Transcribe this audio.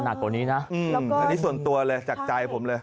อันนี้ส่วนตัวเลยจากใจผมเลย